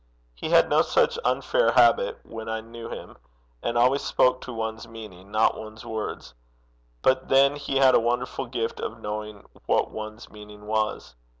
He had no such unfair habit when I knew him, and always spoke to one's meaning, not one's words. But then he had a wonderful gift of knowing what one's meaning was.